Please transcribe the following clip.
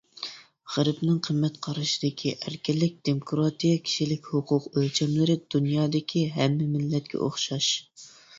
غەربنىڭ قىممەت قارىشىدىكى ئەركىنلىك، دېموكراتىيە، كىشىلىك ھوقۇق ئۆلچەملىرى دۇنيادىكى ھەممە مىللەتكە ئوخشاش.